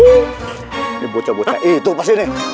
ini bucah bucah itu pasti nih